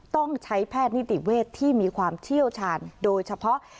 ต้องใช้แพทย์นิติเวทที่มีความเชี่ยวชาญโดยเฉพาะ